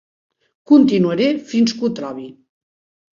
Continuaré fins que ho trobi.